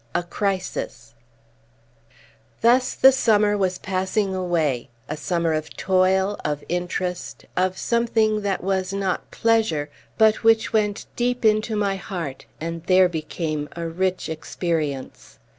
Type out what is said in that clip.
A CRISIS Thus the summer was passing away, a summer of toil, of interest, of something that was not pleasure, but which went deep into my heart, and there became a rich experience.